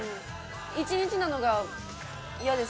１日なのが嫌です。